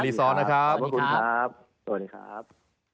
สวัสดีครับ